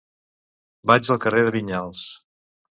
Vaig al carrer de Vinyals.